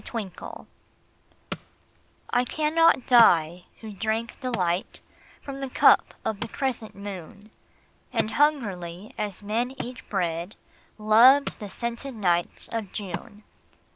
The Wine I cannot die, who drank delight From the cup of the crescent moon, And hungrily as men eat bread, Loved the scented nights of June.